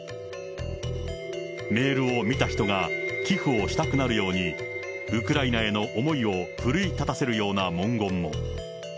メールを見た人が、寄付をしたくなるように、ウクライナへの思いを奮い立たせるような文言も。